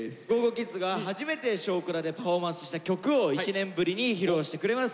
ｋｉｄｓが初めて「少クラ」でパフォーマンスした曲を１年ぶりに披露してくれます。